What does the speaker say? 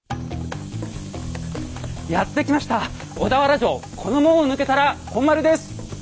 やって来ました小田原城この門を抜けたら本丸です！